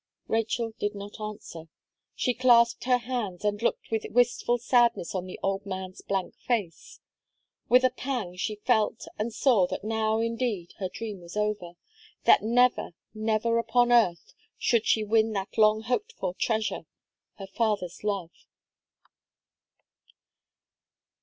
Rachel did not answer. She clasped her hands, and looked with wistful sadness on the old man's blank face. With a pang she felt and saw that now, indeed, her dream was over that never, never upon earth, should she win that long hoped for treasure her father's love.